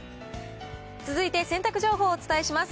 続いて洗濯情報をお伝えします。